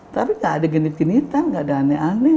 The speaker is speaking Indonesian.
tapi ga ada ginit ginitan ga ada aneh aneh